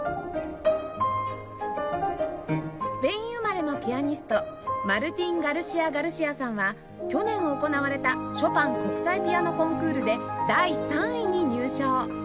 スペイン生まれのピアニストマルティン・ガルシア・ガルシアさんは去年行われたショパン国際ピアノコンクールで第３位に入賞